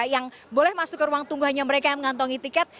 yang boleh masuk ke ruang tunggu hanya mereka yang mengantongi tiket